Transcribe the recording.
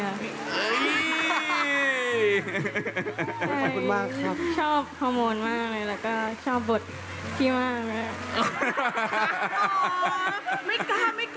ขอบคุณมากครับใช่ชอบเขาโมนมากเลยแล้วก็ชอบบทพี่มากเลย